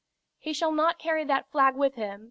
"He shall not carry that flag with him!